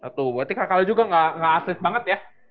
satu berarti kakak lu juga gak atlet banget ya